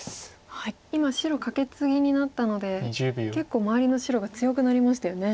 今白カケツギになったので結構周りの白が強くなりましたよね。